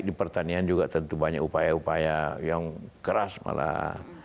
di pertanian juga tentu banyak upaya upaya yang keras malah